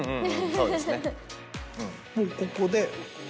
そうです。